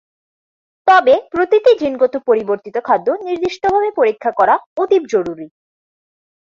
তবে প্রতিটি জিনগত পরিবর্তিত খাদ্য নির্দিষ্টভাবে পরীক্ষা করা অতীব জরুরি।